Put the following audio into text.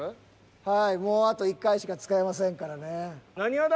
はいもうあと１回しか使えませんからね。